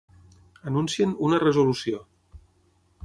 Anuncien una resolució.